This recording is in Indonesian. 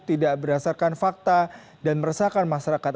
tidak berdasarkan fakta dan meresahkan masyarakat